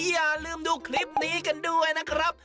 อย่าลืมดูคลิปนี้กันด้วยนะครับ